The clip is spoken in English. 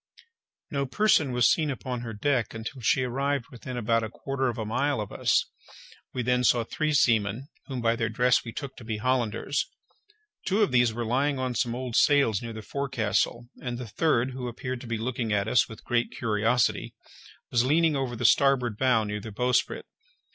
No person was seen upon her decks until she arrived within about a quarter of a mile of us. We then saw three seamen, whom by their dress we took to be Hollanders. Two of these were lying on some old sails near the forecastle, and the third, who appeared to be looking at us with great curiosity, was leaning over the starboard bow near the bowsprit.